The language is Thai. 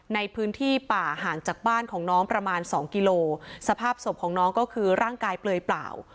ในพื้นที่ป่าห่างจากบ้านของน้องประมาณสองกิโลสภาพศพของน้องก็คือร่างกายเปลือยเปล่า